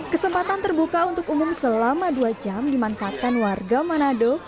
kesempatan terbuka untuk umum selama dua jam dimanfaatkan warga manado